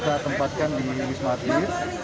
dua kita tempatkan di wismati